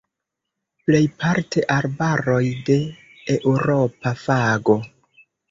Plejparte arbaroj de eŭropa fago.